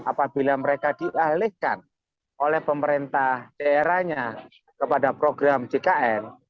apabila mereka dialihkan oleh pemerintah daerahnya kepada program jkn